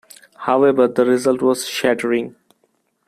However, the result was shattering.